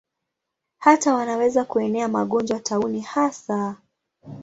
Hata wanaweza kuenea magonjwa, tauni hasa.